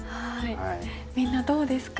みんなどうですか？